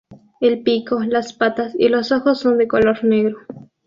El pico, las patas y los ojos son de color negro.